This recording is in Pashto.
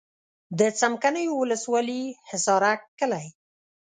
د څمکنیو ولسوالي حصارک کلی.